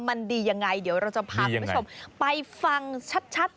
มันดียังไงเดี๋ยวเราจะพาคุณผู้ชมไปฟังชัด